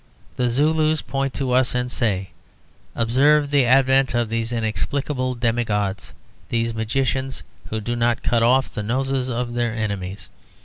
The Zulus point at us and say, "Observe the advent of these inexplicable demi gods, these magicians, who do not cut off the noses of their enemies."